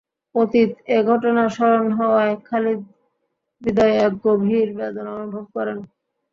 অতীত এ ঘটনা স্মরণ হওয়ায় খালিদ হৃদয়ে এক গভীর বেদনা অনুভব করেন।